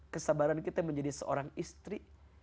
kesabaran kita menjadi seorang istri